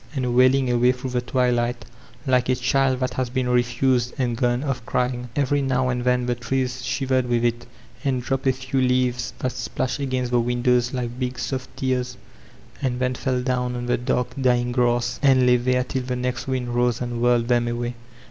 and wailing away through the twilight, like a child that has httn refused and gone oflF crying* Every now and then the trees shivered with it, and dropped a few leaves that splashed against the windows like big, soft tears, and then fell down on die dark, dying grass, and lay there till the next wind rose and wUried them away.